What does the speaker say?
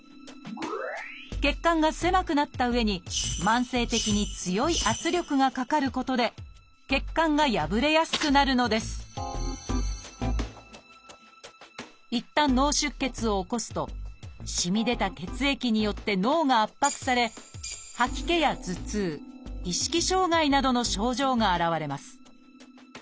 血管が狭くなったうえに慢性的に強い圧力がかかることで血管が破れやすくなるのですいったん脳出血を起こすとしみ出た血液によって脳が圧迫されなどの症状が現れます。